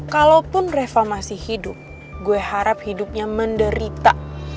kalaupun reva masih hidup gue harap hidupnya menderita